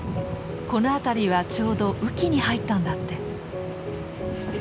この辺りはちょうど雨季に入ったんだって。